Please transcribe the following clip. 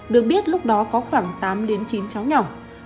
được biết lúc đó có khoảng tám đến chín cháu nhỏ